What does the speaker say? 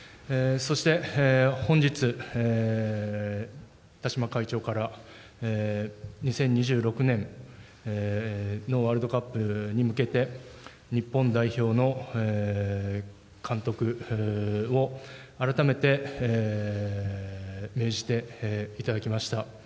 そして、本日、田嶋会長から、２０２６年のワールドカップに向けて、日本代表の監督を改めて命じていただきました。